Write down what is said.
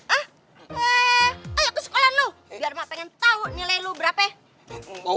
hei ayo ke sekolah lo biar emak pengen tau nilai lo berapa